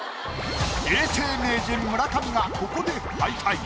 永世名人村上がここで敗退。